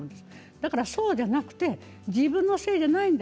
だから、そうじゃなくて自分のせいではないんだ